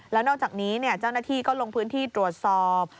แล้วนอกจากนี้เจ้าหน้าที่ก็ลงพื้นที่ตรวจสอบ